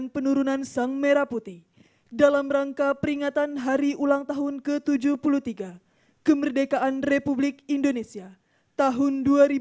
penurunan sang merah putih dalam rangka peringatan hari ulang tahun ke tujuh puluh tiga kemerdekaan republik indonesia tahun dua ribu dua puluh